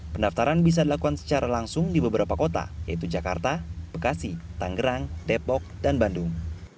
pendaftaran bisa dilakukan secara langsung di beberapa kota yaitu jakarta bekasi tanggerang depok dan bandung